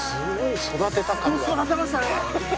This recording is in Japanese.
育てましたね。